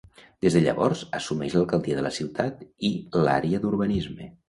Des de llavors assumeix l'alcaldia de la ciutat i l'àrea d'urbanisme.